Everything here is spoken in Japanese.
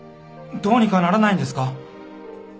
どうにかならないんですか？